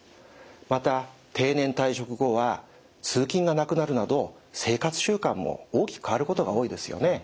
また定年退職後は通勤がなくなるなど生活習慣も大きく変わることが多いですよね。